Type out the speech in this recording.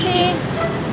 sampai jumpa lagi